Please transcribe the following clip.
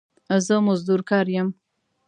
زه مزدور کار يم